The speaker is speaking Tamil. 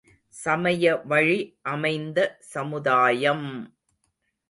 சமயவழி அமைந்த சமுதாயம்!